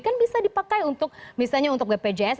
kan bisa dipakai untuk misalnya untuk bpjs